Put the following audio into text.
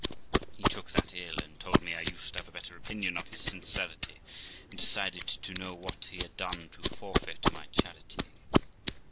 He took that ill, and told me I used to have a better opinion of his sincerity, and desired to know what he had done to forfeit my charity.